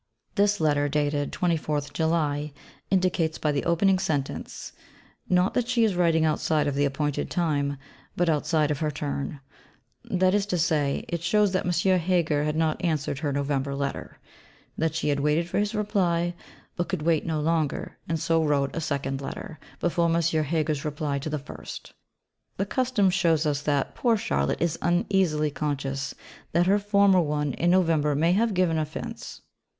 This Letter, dated 24th July, indicates by the opening sentence, not that she is writing outside of the appointed time, but outside of her turn: that is to say, it shows that M. Heger had not answered her November Letter; that she had waited for his reply, but could not wait longer, and so wrote a second letter, before M. Heger's reply to the first. The custom shows us that poor Charlotte is uneasily conscious that her former one in November may have given offence.